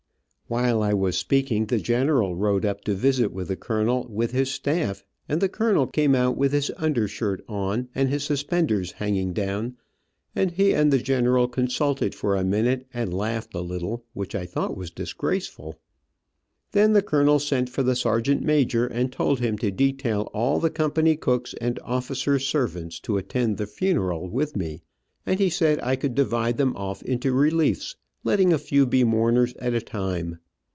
While I was speaking the general rode up to visit with the colonel, with his staff, and the colonel came out with his undershirt on, and his suspenders hanging down, and he and the general consulted for a minute, and laughed a little, which I thought was disgraceful. Then the colonel sent for the sergeant major and told, him to detail all the company cooks and officer's servants, to attend the funeral with me, and he said I could divide them off into reliefs, letting a few be mourners at a time.